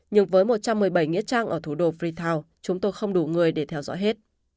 nhưng với một trăm một mươi bảy nghĩa trang ở thủ đô frital chúng tôi không đủ người để theo dõi hết